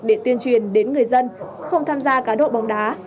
để tuyên truyền đến người dân không tham gia cá độ bóng đá